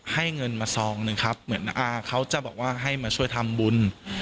ให้เงินมาซองหนึ่งครับเหมือนอาเขาจะบอกว่าให้มาช่วยทำบุญ